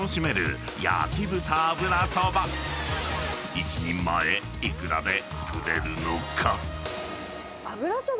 ［１人前幾らで作れるのか？］